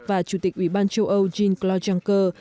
và chủ tịch ủy ban châu âu jean claude juncker